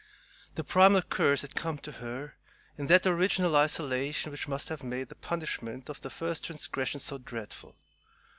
The primal curse had come to her in that original isolation which must have made the punishment of the first transgression so dreadful.